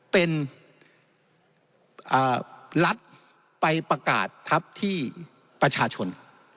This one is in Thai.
เป็นรัฐไปประกาศทัพที่ประชาชน